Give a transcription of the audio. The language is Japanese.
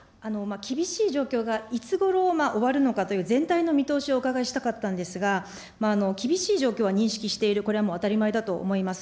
厳しい状況がいつごろ終わるのかという、全体の見通しをお伺いしたかったんですが、厳しい状況は認識している、これは当たり前だと思います。